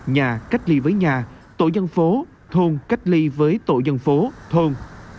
nhà cách ly với nhà tổ dân phố thôn cách ly với tổ dân phố thôn